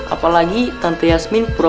apalagi tante yasmin pura